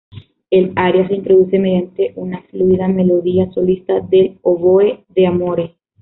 El aria se introduce mediante una fluida melodía solista del oboe "d'amore".